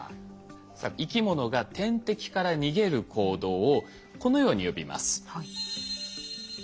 さあ生き物が天敵から逃げる行動をこのように呼びます。